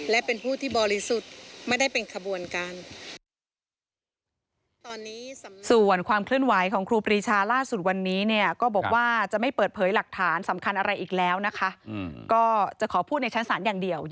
และเป็นผู้ที่บริสุทธิ์ไม่ได้เป็นขบวนการ